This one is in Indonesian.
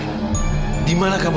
jangan lari kamu